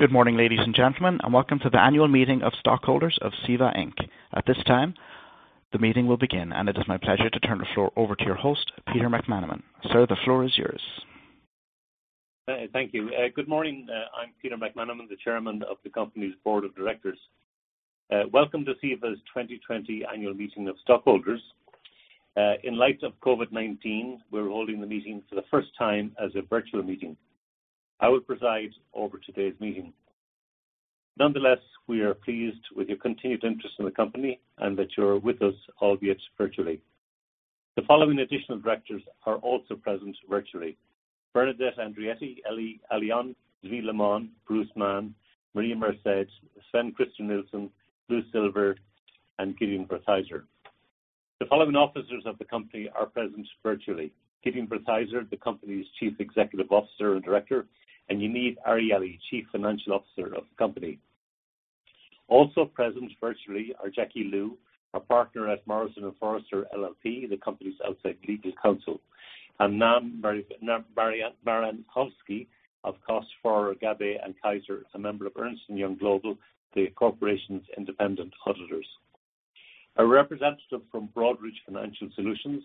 Good morning, ladies and gentlemen, and welcome to the Annual Meeting of Stockholders of CEVA, Inc. At this time, the meeting will begin, and it is my pleasure to turn the floor over to your host, Peter McManamon. Sir, the floor is yours. Thank you. Good morning. I'm Peter McManamon, the chairman of the company's board of directors. Welcome to CEVA's 2020 Annual Meeting of Stockholders. In light of COVID-19, we're holding the meeting for the first time as a virtual meeting. I will preside over today's meeting. Nonetheless, we are pleased with your continued interest in the company and that you are with us, albeit virtually. The following additional directors are also present virtually: Bernadette Andrietti, Eliyahu Ayalon, Zvi Limon, Bruce Mann, Maria Marced, Sven-Christer Nilsson, Lou Silver, and Gideon Wertheizer. The following officers of the company are present virtually: Gideon Wertheizer, the company's chief executive officer and director, and Yaniv Arieli, chief financial officer of the company. Also present virtually are Jackie Liu, a partner at Morrison & Foerster LLP, the company's outside legal counsel, and Noam Barankowski of Kost Forer Gabbay & Kasierer, a member of Ernst & Young Global, the corporation's independent auditors. A representative from Broadridge Financial Solutions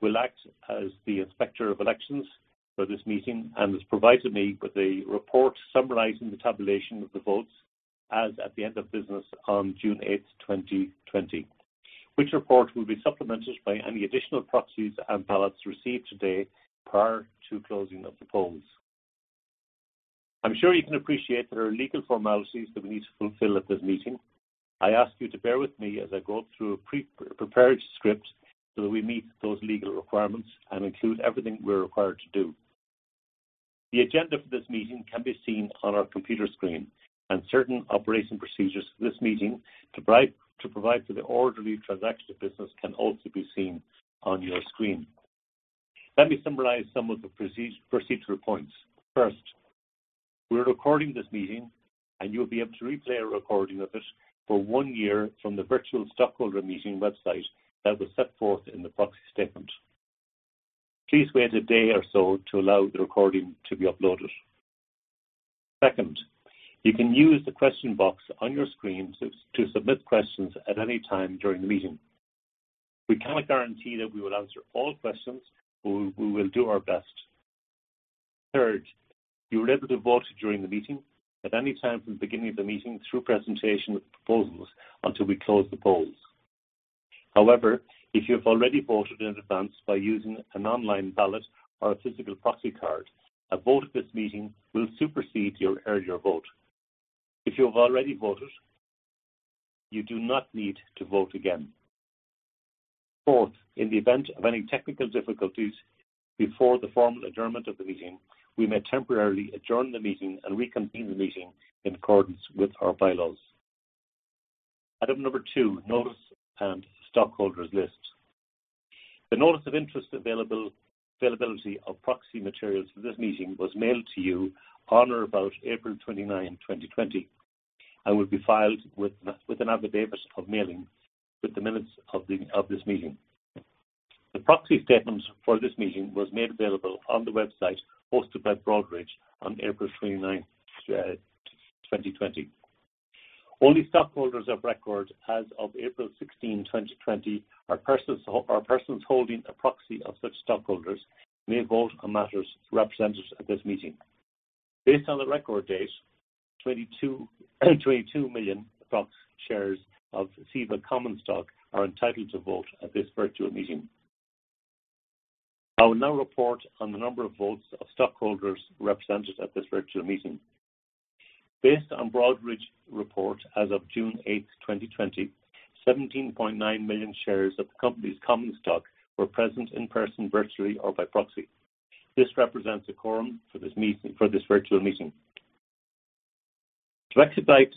will act as the Inspector of Elections for this meeting and has provided me with a report summarizing the tabulation of the votes as at the end of business on June 8th, 2020, which report will be supplemented by any additional proxies and ballots received today prior to closing of the polls. I'm sure you can appreciate there are legal formalities that we need to fulfill at this meeting. I ask you to bear with me as I go through a pre-prepared script so that we meet those legal requirements and include everything we're required to do. The agenda for this meeting can be seen on our computer screen, and certain operation procedures for this meeting to provide for the orderly transaction of business can also be seen on your screen. Let me summarize some of the procedural points. First, we're recording this meeting, and you'll be able to replay a recording of it for one year from the virtual stockholder meeting website that was set forth in the proxy statement. Please wait a day or so to allow the recording to be uploaded. Second, you can use the question box on your screen to submit questions at any time during the meeting. We cannot guarantee that we will answer all questions, but we will do our best. Third, you will be able to vote during the meeting at any time from the beginning of the meeting through presentation of the proposals until we close the polls. Howerver, if you have already voted in advance by using an online ballot or a physical proxy card, a vote at this meeting will supersede your earlier vote. If you have already voted, you do not need to vote again. Fourth, in the event of any technical difficulties before the formal adjournment of the meeting, we may temporarily adjourn the meeting and reconvene the meeting in accordance with our bylaws. Item number two, notice and stockholders list. The notice of interest availability of proxy materials for this meeting was mailed to you on or about April 29, 2020, and will be filed with an affidavit of mailing with the minutes of this meeting. The proxy statement for this meeting was made available on the website hosted by Broadridge on April 29, 2020. Only stockholders of record as of April 16, 2020, or persons holding a proxy of such stockholders may vote on matters represented at this meeting. Based on the record date, 22 million approx. shares of CEVA common stock are entitled to vote at this virtual meeting. I will now report on the number of votes of stockholders represented at this virtual meeting. Based on Broadridge report as of June 8, 2020, 17.9 million shares of the company's common stock were present in person, virtually, or by proxy. This represents a quorum for this virtual meeting. To expedite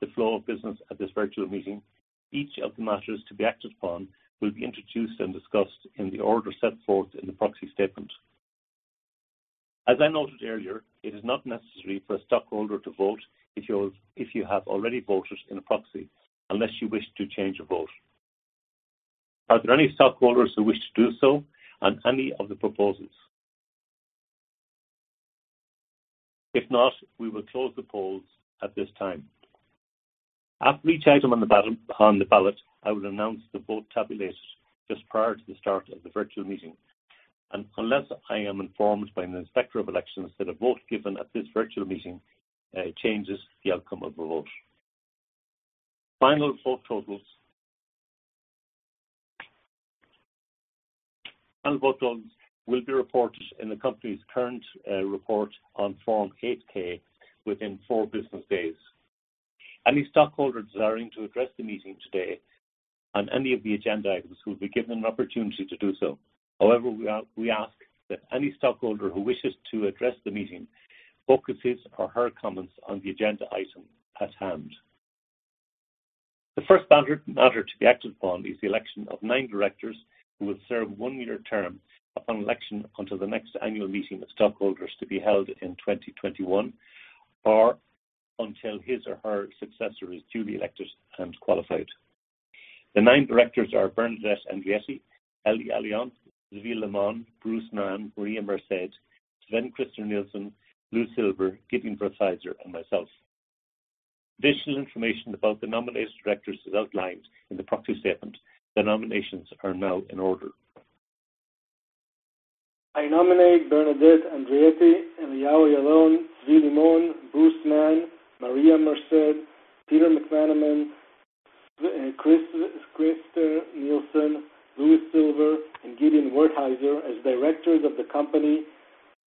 the flow of business at this virtual meeting, each of the matters to be acted upon will be introduced and discussed in the order set forth in the proxy statement. As I noted earlier, it is not necessary for a stockholder to vote if you have already voted in a proxy, unless you wish to change your vote. Are there any stockholders who wish to do so on any of the proposals? If not, we will close the polls at this time. After each item on the ballot, I will announce the vote tabulators just prior to the start of the virtual meeting, and unless I am informed by an Inspector of Elections that a vote given at this virtual meeting changes the outcome of the vote. Final vote totals will be reported in the company's current report on Form 8-K within four business days. Any stockholder desiring to address the meeting today on any of the agenda items will be given an opportunity to do so. However, we ask that any stockholder who wishes to address the meeting focus his or her comments on the agenda item at hand. The first matter to be acted upon is the election of nine directors who will serve a one-year term upon election until the next annual meeting of stockholders to be held in 2021, or until his or her successor is duly elected and qualified. The nine directors are Bernadette Andrietti, Eli Ayalon, Zvi Limon, Bruce Nahon, Maria Marced, Sven-Christer Nilsson, Louis Silver, Gideon Wertheizer, and myself. Additional information about the nominated directors is outlined in the proxy statement. The nominations are now in order. I nominate Bernadette Andrietti, Eliyahu Ayalon, Zvi Limon, Bruce Nahon, Maria Marced, Peter McManamon, Sven-Christer Nilsson, Louis Silver, and Gideon Wertheizer as directors of the company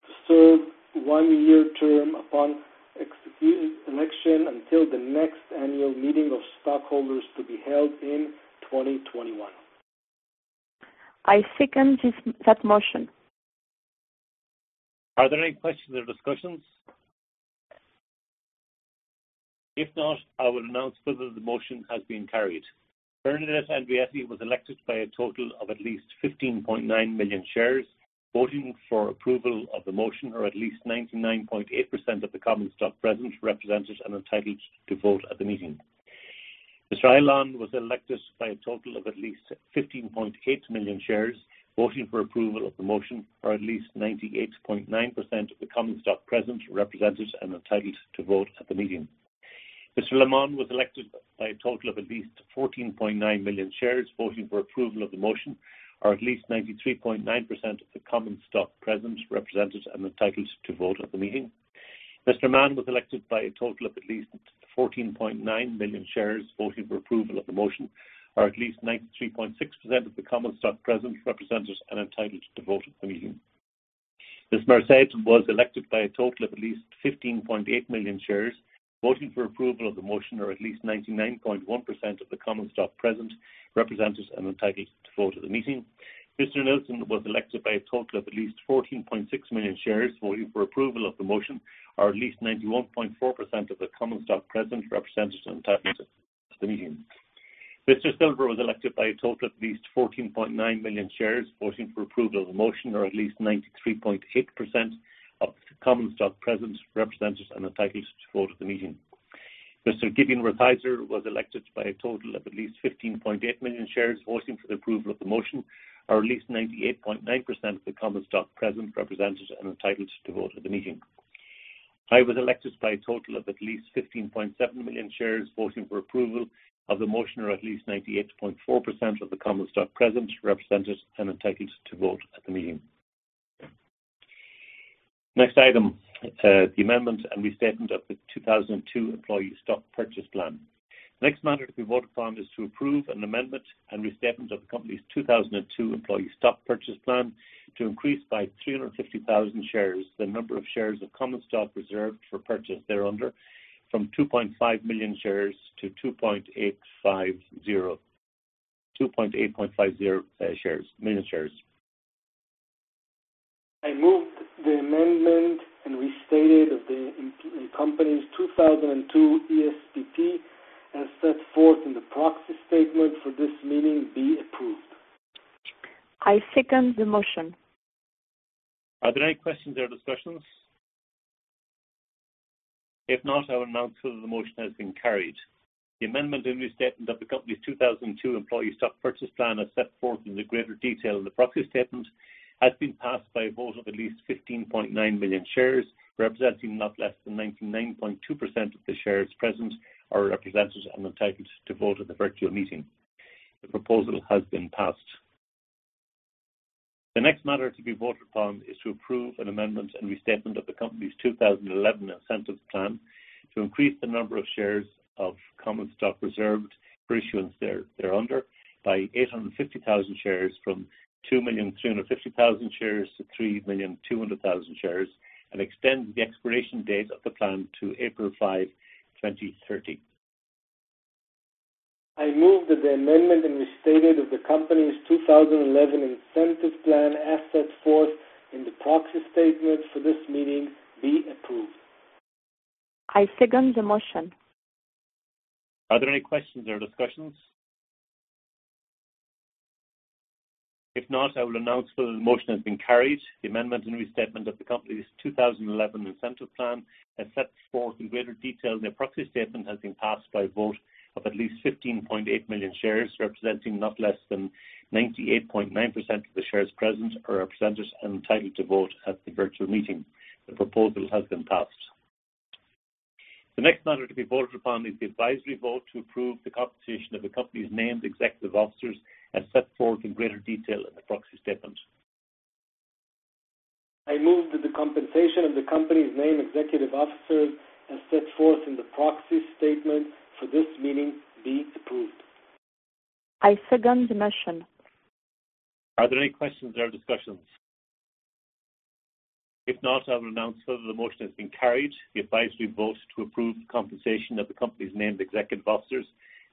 to serve one-year term upon election until the next annual meeting of stockholders to be held in 2021. I second that motion. Are there any questions or discussions? If not, I will announce whether the motion has been carried. Bernadette Andrietti was elected by a total of at least 15.9 million shares, voting for approval of the motion, or at least 99.8% of the common stock present, represented, and entitled to vote at the meeting. Mr. Ayalon was elected by a total of at least 15.8 million shares voting for approval of the motion, or at least 98.9% of the common stock present, represented, and entitled to vote at the meeting. Mr. Limon was elected by a total of at least 14.9 million shares voting for approval of the motion, or at least 93.9% of the common stock present, represented, and entitled to vote at the meeting. Mr. Nahon was elected by a total of at least 14.9 million shares voting for approval of the motion, or at least 93.6% of the common stock present, represented, and entitled to vote at the meeting. Ms. Marced was elected by a total of at least 15.8 million shares voting for approval of the motion, or at least 99.1% of the common stock present, represented, and entitled to vote at the meeting. Mr. Nilsson was elected by a total of at least 14.6 million shares voting for approval of the motion, or at least 91.4% of the common stock present, represented, and entitled to vote at the meeting. Mr. Silver was elected by a total of at least 14.9 million shares voting for approval of the motion, or at least 93.8% of the common stock present, represented, and entitled to vote at the meeting. Mr. Gideon Wertheizer was elected by a total of at least 15.8 million shares voting for the approval of the motion, or at least 98.9% of the common stock present, represented, and entitled to vote at the meeting. I was elected by a total of at least 15.7 million shares voting for approval of the motion, or at least 98.4% of the common stock present, represented, and entitled to vote at the meeting. Next item, the amendment and restatement of the 2002 employee stock purchase plan. The next matter to be voted upon is to approve an amendment and restatement of the company's 2002 employee stock purchase plan to increase by 350,000 shares the number of shares of common stock reserved for purchase thereunder from 2.5 million shares to 2.850 million shares. I move the amendment and restatement of the company's 2002 ESPP as set forth in the proxy statement for this meeting be approved. I second the motion. Are there any questions or discussions? If not, I will announce whether the motion has been carried. The amendment and restatement of the company's 2002 Employee Stock Purchase Plan, as set forth in the greater detail in the proxy statement, has been passed by a vote of at least 15.9 million shares, representing not less than 99.2% of the shares present or represented and entitled to vote at the virtual meeting. The proposal has been passed. The next matter to be voted upon is to approve an amendment and restatement of the company's 2011 Incentive Plan to increase the number of shares of common stock reserved for issuance thereunder by 850,000 shares from 2,350,000 shares to 3,200,000 shares and extend the expiration date of the plan to April 5, 2030. I move that the amendment and restatement of the company's 2011 incentive plan, as set forth in the proxy statement for this meeting, be approved. I second the motion. Are there any questions or discussions? If not, I will announce whether the motion has been carried. The amendment and restatement of the company's 2011 incentive plan, as set forth in greater detail in the proxy statement, has been passed by a vote of at least 15.8 million shares, representing not less than 98.9% of the shares present or represented and entitled to vote at the virtual meeting. The proposal has been passed. The next matter to be voted upon is the advisory vote to approve the compensation of the company's named executive officers, as set forth in greater detail in the proxy statement. I move that the compensation of the company's named executive officers, as set forth in the proxy statement for this meeting, be approved. I second the motion. Are there any questions or discussions? If not, I will announce whether the motion has been carried. The advisory vote to approve the compensation of the company's named executive officers,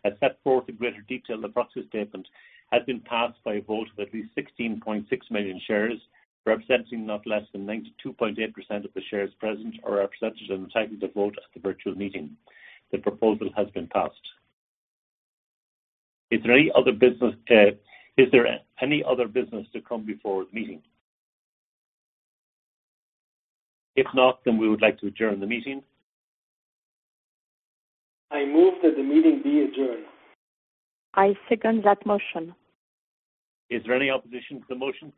as set forth in greater detail in the proxy statement, has been passed by a vote of at least 16.6 million shares, representing not less than 92.8% of the shares present or represented and entitled to vote at the virtual meeting. The proposal has been passed. Is there any other business to come before the meeting? If not, we would like to adjourn the meeting. I move that the meeting be adjourned. I second that motion. Is there any opposition to the motion?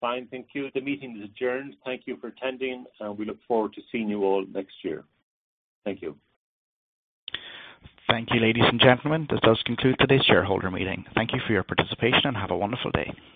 Fine. Thank you. The meeting is adjourned. Thank you for attending, and we look forward to seeing you all next year. Thank you. Thank you, ladies and gentlemen. This does conclude today's shareholder meeting. Thank you for your participation, and have a wonderful day. Thank you.